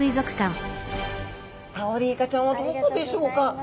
アオリイカちゃんはどこでしょうか？